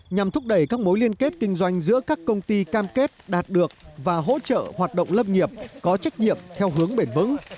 nhằm thúc đẩy các mối liên kết kinh doanh giữa các công ty cam kết đạt được và hỗ trợ hoạt động lâm nghiệp có trách nhiệm theo hướng bền vững